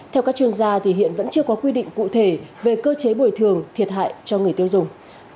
theo các chuyên gia hiện vẫn chưa có quy định cụ thể về cơ chế bồi thường thiệt hại cho người tiêu dùng